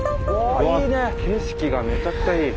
景色がめちゃくちゃいい。